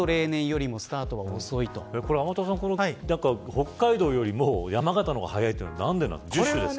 北海道よりも山形の方が早いのはなんでなんですか。